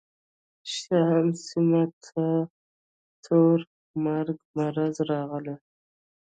شام سیمو ته تور مرګ مرض راغلی.